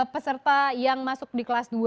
peserta yang masuk di kelas dua